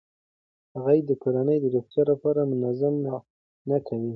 هغې د کورنۍ د روغتیا لپاره منظمه معاینه کوي.